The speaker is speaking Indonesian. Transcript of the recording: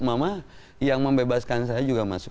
mama yang membebaskan saya juga masuk